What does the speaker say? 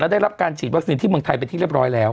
ได้รับการฉีดวัคซีนที่เมืองไทยเป็นที่เรียบร้อยแล้ว